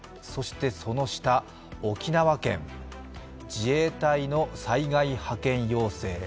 そしてその下、沖縄県、自衛隊の災害派遣要請。